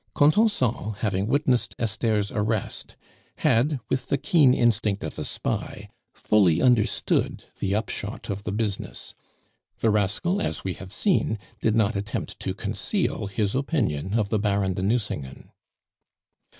Contenson, having witnessed Esther's arrest, had, with the keen instinct of a spy, fully understood the upshot of the business. The rascal, as we have seen, did not attempt to conceal his opinion of the Baron de Nucingen.